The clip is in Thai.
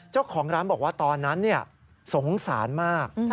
เจ้าของร้านบอกว่าตอนนั้นสงสารมาก